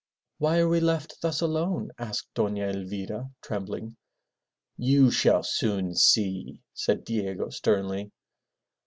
"Why are we left thus alone?" asked Dona Elvira trembling. "You shall soon see," said Diego sternly.